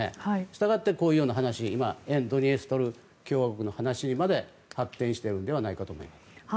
したがってこういうような話が沿ドニエストル共和国の話にまで発展しているのではないかと思います。